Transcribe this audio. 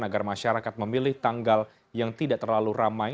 agar masyarakat memilih tanggal yang tidak terlalu ramai